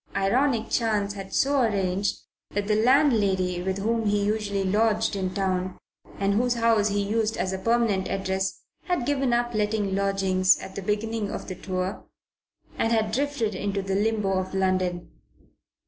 Ironic chance had so arranged that the landlady with whom he usually lodged in town, and whose house he used as a permanent address, had given up letting lodgings at the beginning of the tour, and had drifted into the limbo of London.